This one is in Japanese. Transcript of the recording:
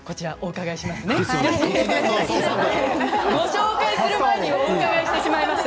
ご紹介する前にお伺いしてしまいました。